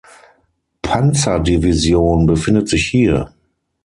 Panzerdivision befindet sich hier.